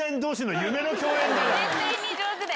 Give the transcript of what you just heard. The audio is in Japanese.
絶対に上手だよ。